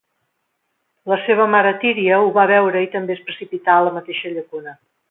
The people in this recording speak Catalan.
La seva mare, Tíria, ho va veure i també es precipità a la mateixa llacuna.